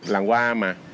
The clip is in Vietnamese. lần qua mà